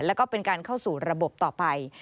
แล้วก็เป็นการเข้าสู่ระบบต่อไป